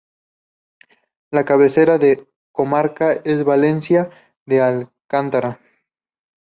La cabecera de comarca es Valencia de Alcántara.